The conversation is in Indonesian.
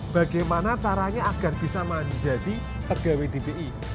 bagaimana caranya agar bisa menjadi pegawai dpi